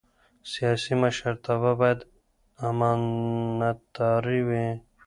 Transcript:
سیاسي مشرتابه باید امانتدار وي